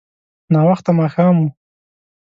ناوخته ماښام و.